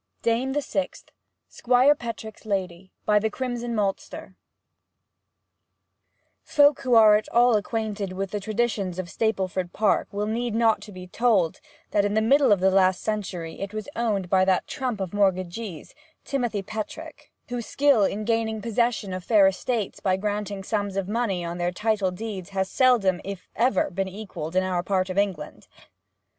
DAME THE SIXTH SQUIRE PETRICK'S LADY By the Crimson Maltster Folk who are at all acquainted with the traditions of Stapleford Park will not need to be told that in the middle of the last century it was owned by that trump of mortgagees, Timothy Petrick, whose skill in gaining possession of fair estates by granting sums of money on their title deeds has seldom if ever been equalled in our part of England.